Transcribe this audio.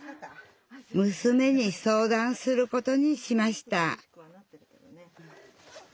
むすめに相談することにしました